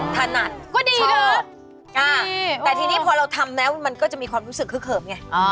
ถนัดชอบอ่ะแต่ทีนี้พอเราทำแล้วมันก็จะมีความรู้สึกเคลือบไง